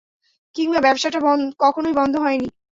কিংবা ব্যবসাটা কখনোই বন্ধ হয়নি।